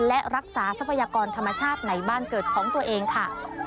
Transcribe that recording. และรักษาทรัพยากรธรรมชาติในบ้านเกิดของตัวเองค่ะ